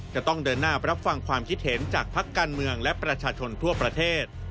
จะต้องเดินหน้ารับฟังความคิดเห็นจากพักการเมืองและประชาชนทั่วประเทศ